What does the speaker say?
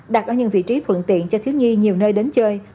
đặt ở những vị trí thuận tiện cho thiếu nhi nhiều nơi đến chơi